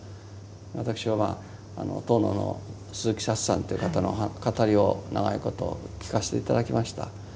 私はまあ遠野の鈴木サツさんという方の語りを長いこと聞かせて頂きました。